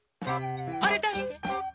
あれだして！